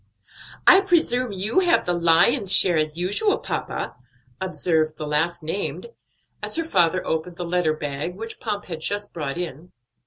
"I presume you have the lion's share as usual, papa," observed the last named, as her father opened the letter bag which Pomp had just brought in.